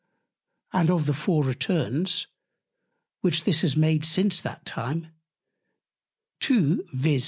And of the four Returns, which this has made since that Time; two, viz.